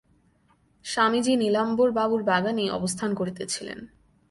স্বামীজী নীলাম্বরবাবুর বাগানেই অবস্থান করিতেছিলেন।